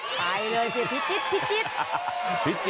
ไปเลยสิพิจิตรพิจิตร